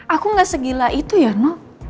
aku gak segila itu ya no